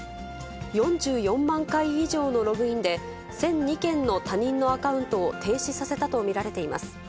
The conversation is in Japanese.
４４万回以上のログインで、１００２件の他人のアカウントを停止させたと見られています。